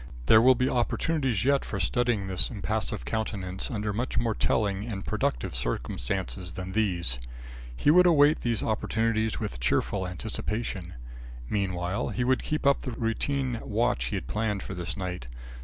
There will be opportunities yet for studying this impassive countenance under much more telling and productive circumstances than these. He would await these opportunities with cheerful anticipation. Meanwhile, he would keep up the routine watch he had planned for this night.